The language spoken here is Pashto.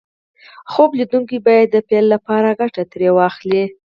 خوب ليدونکي بايد د پيل لپاره ګټه ترې واخلي.